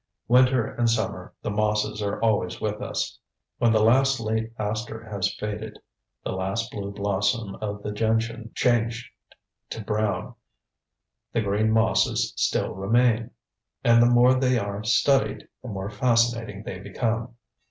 Winter and summer, the mosses are always with us. When the last late aster has faded, the last blue blossom of the gentian changed to brown, the green mosses still remain. And the more they are studied, the more fascinating they become.